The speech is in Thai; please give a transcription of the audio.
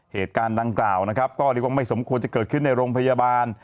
เหตุการณ์ดังกล่าวนะครับก็เรียกว่าไม่สมควรจะเกิดขึ้นในโรงพยาบาล